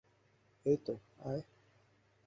এইতো, আয়!